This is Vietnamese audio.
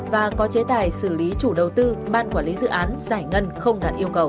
và có chế tài xử lý chủ đầu tư ban quản lý dự án giải ngân không đạt yêu cầu